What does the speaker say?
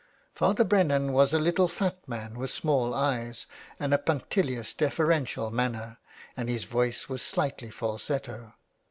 Father Brennan was a little fat man with small eyes and a punctilious deferential manner, and his voice was slightly falsetto.